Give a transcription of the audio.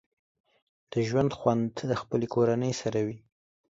د ژوند خوند د خپلې کورنۍ سره وي